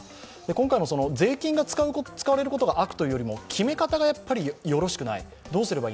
今回の税金が使われることが悪というより、決め方がよろしくない、どうなのかと。